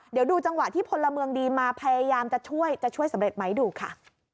เดี๋ยวดูจังหวะที่พลเมืองดีมาพยายามจะช่วยจะช่วยสำเร็จไหมดูค่ะ